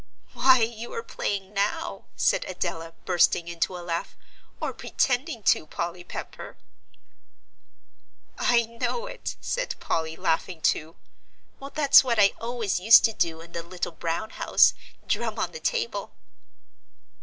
"Why, you are playing now," said Adela, bursting into a laugh, "or pretending to, Polly Pepper." "I know it," said Polly, laughing too; "well, that's what I always used to do in the little brown house, drum on the table."